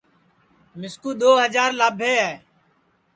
مِسکُو دؔو ہجار لابھے ہے